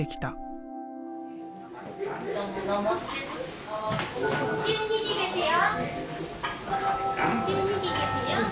１２時ですよ。